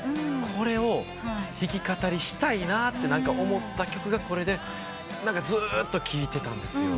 これを弾き語りしたいなって思った曲がこれでずっと聴いてたんですよ。